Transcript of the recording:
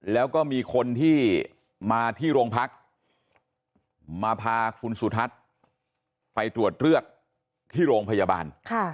แล้วก็มีคนที่มาที่โรงพักมาพาคุณสุทัศน์ไปตรวจเลือดที่โรงพยาบาล